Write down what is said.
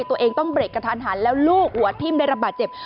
ตัวเองต้องเบรกกระทันหันแล้วลูกหัวทิ้มได้รับบาดเจ็บ